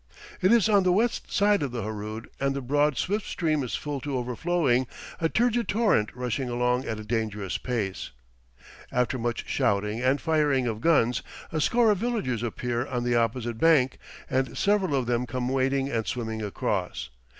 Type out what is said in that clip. It is on the west side of the Harood and the broad, swift stream is full to overflowing, a turgid torrent rushing along at a dangerous pace. After much shouting and firing of guns, a score of villagers appear on the opposite bank, and several of them come wading and swimming across.